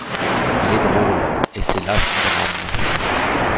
Il est drôle et c'est là son drame.